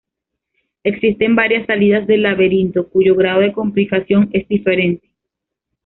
Existen varias salidas del laberinto cuyo grado de complicación es diferente.